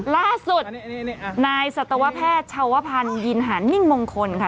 ล่าสุดนายสัตวแพทย์ชาวพันธ์ยินหานิ่งมงคลค่ะ